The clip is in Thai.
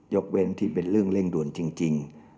เว้นที่เป็นเรื่องเร่งด่วนจริง